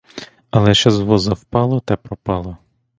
Але що з воза впало, те пропало!